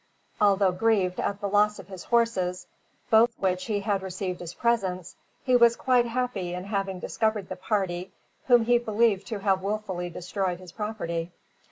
Although grieved at the loss of his horses, both which he had received as presents, he was quite happy in having discovered the party whom he believed to have wilfully destroyed his property.